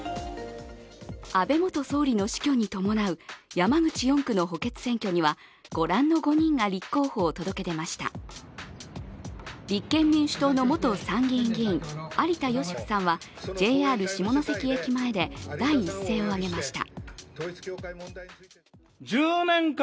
安倍元総理の死去に伴う山口４区の補欠選挙にはご覧の５人が立候補を届け出ました立憲民主党の元参議院議員有田芳生さんはＪＲ下関駅前で第一声を上げました。